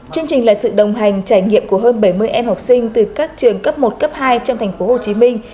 chương trình là sự đồng hành trải nghiệm của hơn bảy mươi em học sinh từ các trường cấp một cấp hai trong thành phố hồ chí minh